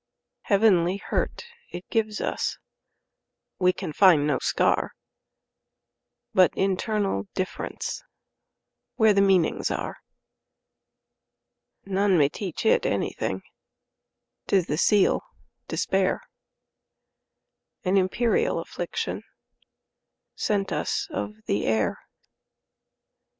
Heavenly hurt it gives us; We can find no scar, But internal differenceWhere the meanings are. None may teach it anything,'T is the seal, despair,—An imperial afflictionSent us of the air.